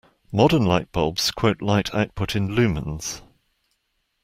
Modern lightbulbs quote light output in lumens.